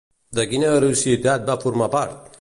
De quina heroïcitat va formar part?